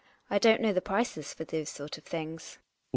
I don't know the prices for those sort of things.